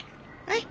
はい。